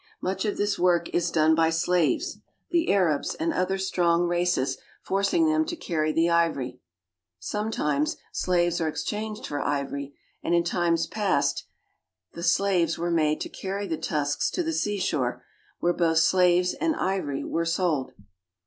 Much of this work is done by ' slaves, the Arabs and other strong races forc ing them to carry the ivory. Sometimes slaves are exchanged for ivory, I and in times past the ■slaves were made to Scarry the tusks to the leashore, where both ^aves and ivory were 'old.